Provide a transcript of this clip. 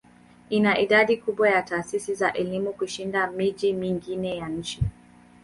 Ina idadi kubwa ya taasisi za elimu kushinda miji mingine ya nchi.